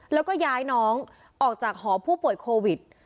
แล้วก็ย้ายน้องออกจากหอผู้ป่วยโควิด